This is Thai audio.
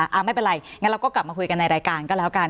ไม่เป็นไรงั้นเราก็กลับมาคุยกันในรายการก็แล้วกัน